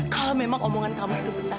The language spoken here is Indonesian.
kalau memang omongan kamu itu benar